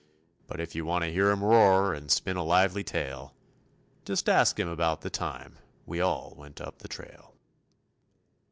But if you want to hear him roar and spin a lively tale, Just ask him about the time we all went up the trail.